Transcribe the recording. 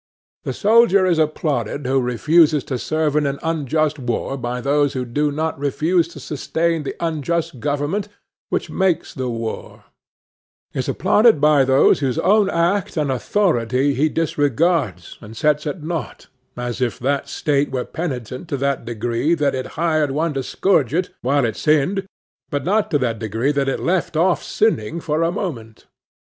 The soldier is applauded who refuses to serve in an unjust war by those who do not refuse to sustain the unjust government which makes the war; is applauded by those whose own act and authority he disregards and sets at naught; as if the State were penitent to that degree that it hired one to scourge it while it sinned, but not to that degree that it left off sinning for a moment.